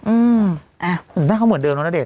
อือน่าเขาเหมือนเดิมเหรอนได้เนี่ย